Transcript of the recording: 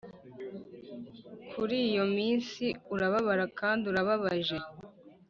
kuri iyo minsi urababara kandi urababaje